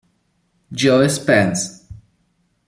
Joe Spence